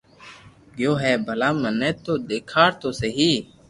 گيو ھي ڀلا مني تو ديکار تو سھي